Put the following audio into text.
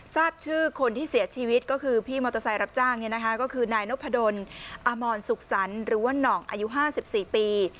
ทราบชื่อคนที่เสียชีวิตก็คือพี่มอเตอร์ไซรับจ้างนี้นะคะก็คือนายนกผ่าดนอามอนสุขสรรค์หรือว่านอกอายุห้าสิบสี่ปี